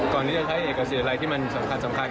ก่อนที่จะใช้เอกสารอะไรที่มันสำคัญ